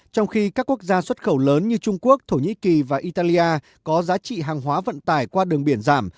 trong khi các quốc gia xuất khẩu lớn như trung quốc thổ nhĩ kỳ và italia có giá trị hàng hóa vận tải qua đường biển giảm